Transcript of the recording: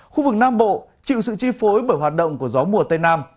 khu vực nam bộ chịu sự chi phối bởi hoạt động của gió mùa tây nam